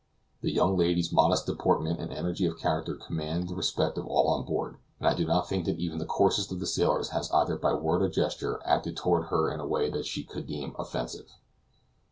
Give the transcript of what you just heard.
The young lady's modest deportment and energy of character command the respect of all on board, and I do not think that even the coarsest of the sailors has either by word or gesture acted toward her in a way that she could deem offensive.